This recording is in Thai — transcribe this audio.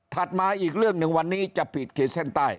มาอีกเรื่องหนึ่งวันนี้จะปิดขีดเส้นใต้